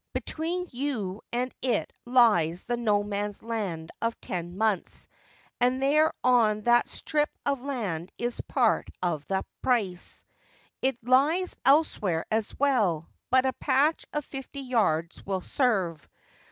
Between you and it lies the no man's land of ten months — and there on that strip of land is part of the price. It lies elsewhere as well, but a patch of fifty yards will serve.